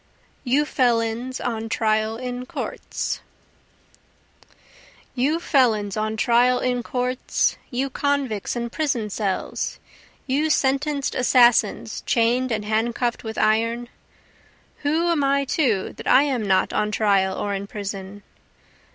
You Felons on Trial in Courts You felons on trial in courts, You convicts in prison cells, you sentenced assassins chain'd and handcuff'd with iron, Who am I too that I am not on trial or in prison?